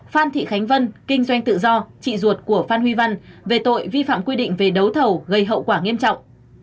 phan thị khánh vân kinh doanh tự do chị ruột của phan huy văn về tội vi phạm quy định về đấu thầu gây hậu quả nghiêm trọng